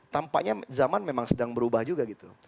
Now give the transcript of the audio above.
tampaknya zaman memang sedang berubah juga gitu